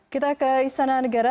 kita ke istana negara